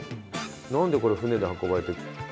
なんでこれ船で運ばれて。